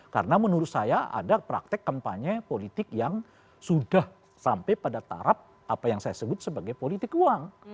karena menurut saya ada praktek kampanye politik yang sudah sampai pada tarap apa yang saya sebut sebagai politik uang